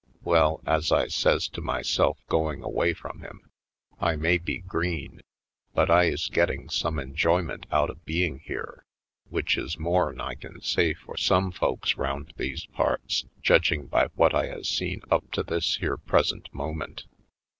Well, as I says to myself going away from him, I may be green, but I is getting some enjoy ment out of being here which is more'n I can say for some folks round these parts, judging by what I has seen up to this here present moment.